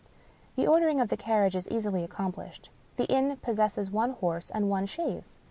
The ordering of the carriage is easily accomplished. The inn possesses one horse and one chaise.